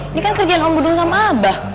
ini kan kerjaan om budhu sama abah